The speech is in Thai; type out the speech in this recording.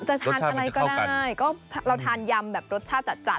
จะทานอะไรก็ได้ก็เราทานยำแบบรสชาติจัด